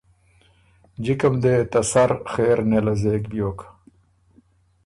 جکه م دې ته سر خېر نېله زېک بیوک۔